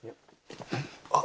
「あっ！」